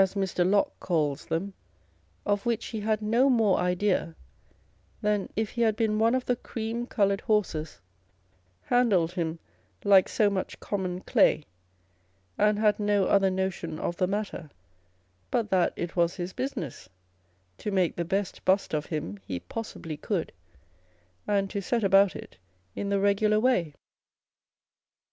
* modes, as Mr. Locke calls them, of which he had no more idea than if he had been one of the cream coloured horses) â€" handled him like so much common clay, and had no other notion of the matter, but that it was his business to make the best bust of him he possibly could, and to set about it in the regular way.